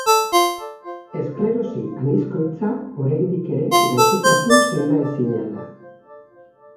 Esklerosi anizkoitza oraindik ere gaixotasun sendaezina da.